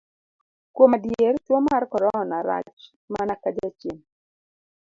Kuom adier, tuo mar korona rach mana ka jachien.